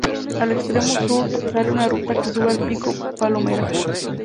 Al extremo sur sale una ruta que sube al pico Palomera.